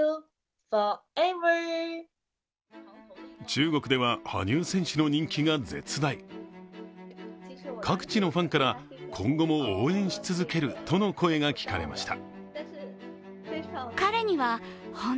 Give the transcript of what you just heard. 中国では、羽生選手の人気が絶大各地のファンから、今後も応援し続けるとの声が聞かれました。